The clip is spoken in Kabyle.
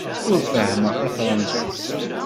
Ur fehhmeɣ tafṛensist.